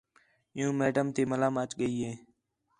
عِیّوں میڈم تی ملام اَچ ڳئی ہے